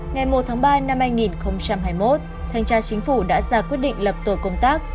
ngày một tháng ba năm hai nghìn hai mươi một thanh tra chính phủ đã ra quyết định lập tổ công tác